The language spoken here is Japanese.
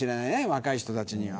若い人たちには。